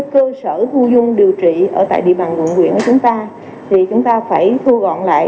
cơ sở thu dung điều trị ở tại địa bàn quận quyện của chúng ta thì chúng ta phải thu gọn lại